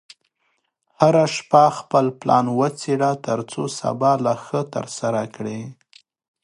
هره شپه خپل پلان وڅېړه، ترڅو سبا لا ښه ترسره کړې.